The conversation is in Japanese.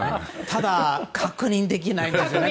ただ確認できないですね